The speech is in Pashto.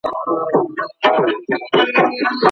ولي هڅاند سړی د وړ کس په پرتله ډېر مخکي ځي؟